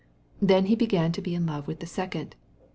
Then he began being in love with the second.